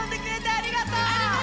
ありがとう！